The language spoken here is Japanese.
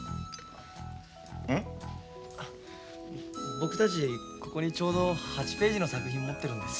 僕たちここにちょうど８ページの作品持ってるんです。